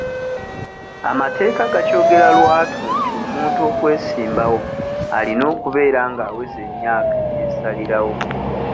Amateeka gakyogera lwatu nti omuntu okwesimbawo alina okubeera ng'aweza emyaka egy'esalirawo.